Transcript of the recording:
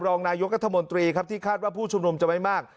รองนายกรัฐมนตรีครับที่คาดว่าผู้ชุมนุมจะไม่มาก